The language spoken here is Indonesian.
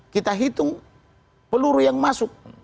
kita hitung peluru yang masuk